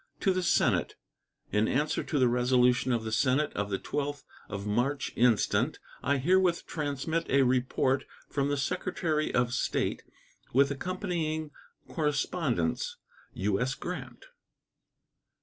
To the Senate: In answer to the resolution of the Senate of the 12th of March instant, I herewith transmit a report from the Secretary of State, with accompanying correspondence. U.S. GRANT.